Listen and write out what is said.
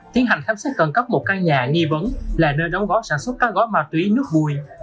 tiến hành thám xét cân cấp một căn nhà nghi vấn là nơi đóng gói sản xuất cá gói má túy nước vui